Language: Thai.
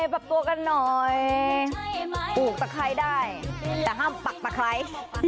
ปลูกตะไคร้ได้แต่ห้ามปักตะไคร้